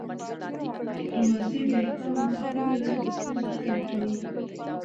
ډیپلوماسي د افهام او تفهیم له لاري د ستونزو حل لټوي.